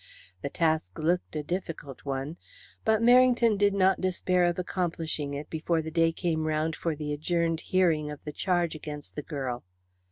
The task looked a difficult one, but Merrington did not despair of accomplishing it before the day came round for the adjourned hearing of the charge against the girl.